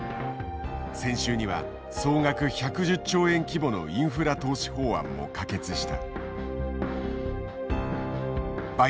先週には総額１１０兆円規模のインフラ投資法案も可決した。